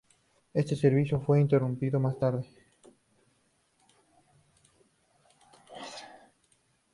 Este servicio fue interrumpido más tarde.